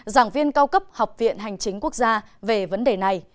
giảng viên cao cấp học viện hành chính quốc gia về vấn đề này